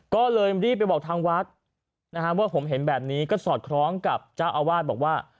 ก็เลยรีบไปบอกทางวัดนะฮะว่าผมเห็นแบบนี้ก็สอดคล้องกับเจ้าอาวาสบอกว่า